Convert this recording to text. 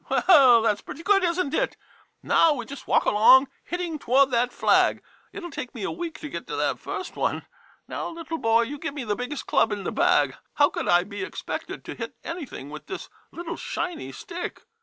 Well, that 's pretty good, isn't it? Now, we just walk along, hitting toward that flag. It '11 take me a week to get to the first one. Now, little boy, you give me the biggest club in the bag — how could I be expected to hit anything with this little shinny stick